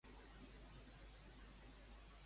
L'últim tram, que passarà per Anglès, Santa.